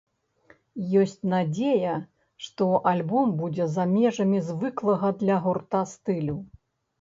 Ёсць надзея, што альбом будзе за межамі звыклага для гурта стылю.